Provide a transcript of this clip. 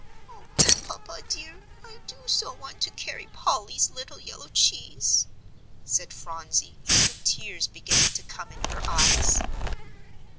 "Oh, Grandpapa, dear, I do so want to carry Polly's little yellow cheese," said Phronsie, the tears beginning to come in her eyes.